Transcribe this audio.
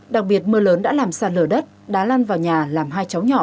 đặc biệt mưa lớn đã làm sạt lở đất đá lan vào nhà làm hai cháu nhỏ